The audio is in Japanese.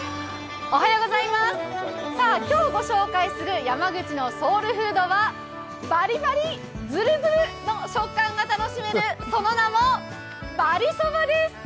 今日ご紹介する山口のソウルフードはバリバリ、ずるずるっの食感が楽しめるその名も、ばりそばです。